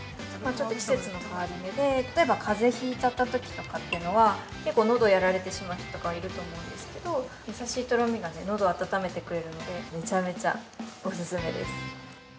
ちょっと季節の変わり目で例えば風邪引いたときというのは、結構喉をやられてしまう人がいると思うんですけど、優しいとろみが喉を温めてくれるので、めちゃめちゃお勧めです。